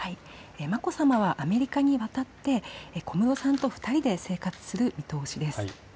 眞子さまはアメリカに渡って小室さんと２人で生活する見通しです。